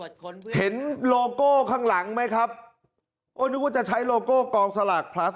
เห็นโลโก้ข้างหลังไหมครับโอ้นึกว่าจะใช้โลโก้กองสลากพลัส